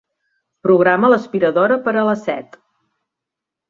Programa l'aspiradora per a les set.